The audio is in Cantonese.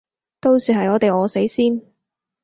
到時係我哋餓死先